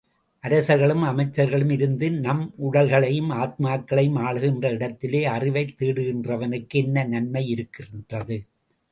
அரசர்களும் அமைச்சர்களும் இருந்து நம் உடல்களையும் ஆத்மாக்களையும் ஆளுகின்ற இடத்திலே அறிவைத் தேடுகின்றவனுக்கு என்ன நன்மையிருக்கிறது?